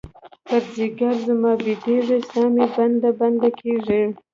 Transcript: پر ځیګــر زما بیدیږې، سا مې بنده، بنده کیږې